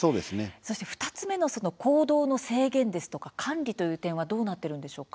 ２つ目の行動の制限ですとか管理はどうなっているんでしょうか。